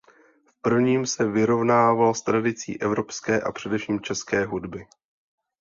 V prvním se vyrovnával s tradicí evropské a především české hudby.